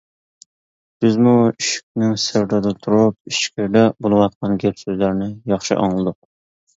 بىزمۇ ئىشىكنىڭ سىرتىدا تۇرۇپ ئىچكىرىدە بولۇۋاتقان گەپ-سۆزلەرنى ياخشى ئاڭلىدۇق.